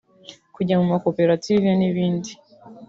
kujya mu makoperative n’ibindi